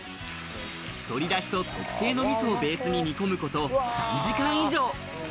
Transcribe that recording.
鶏ダシと特製のみそをベースに、煮込むこと３時間以上。